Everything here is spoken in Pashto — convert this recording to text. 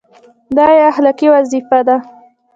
دا یې اخلاقي وظیفه ده.